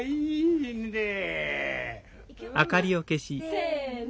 せの！